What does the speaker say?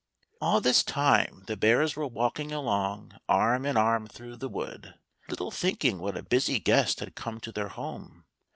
All this time the bears were walking along arm in arm through the wood, little thinking what a busy guest had come to their home.